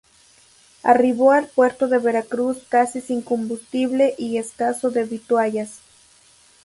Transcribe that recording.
Arribó al puerto de Veracruz casi sin combustible y escaso de vituallas.